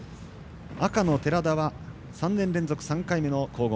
赤の寺田は３年連続３回目の皇后盃。